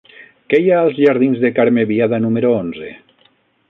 Què hi ha als jardins de Carme Biada número onze?